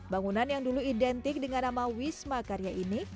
bangunan yang dulu identik dengan nama wisma karya ini